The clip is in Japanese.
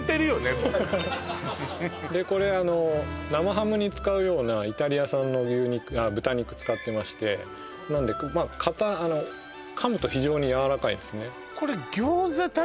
もうねこれ生ハムに使うようなイタリア産の豚肉使ってましてなんで噛むと非常にやわらかいんですね